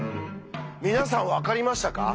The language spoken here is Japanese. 皆さん分かりましたか？